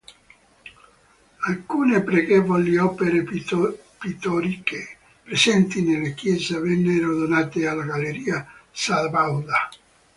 Alcune pregevoli opere pittoriche presenti nella chiesa vennero donate alla Galleria Sabauda.